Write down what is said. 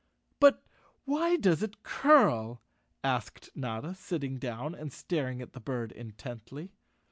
"But why does it curl?" asked Notta, sitting down and staring at the bird intently.